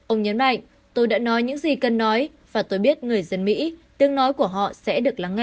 ông nhấn mạnh tôi đã nói những gì cần nói và tôi biết người dân mỹ tiếng nói của họ sẽ được lắng nghe